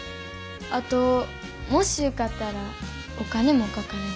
あともし受かったらお金もかかんねん。